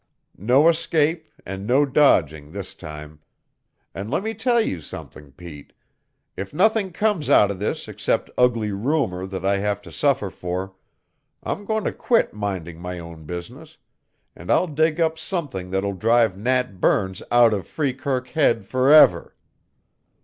No escape and no dodging this time! And let me tell you something, Pete. If nothing comes out of this except ugly rumor that I have to suffer for, I'm going to quit minding my own business; and I'll dig up something that will drive Nat Burns out of Freekirk Head forever.